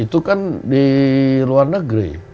itu kan di luar negeri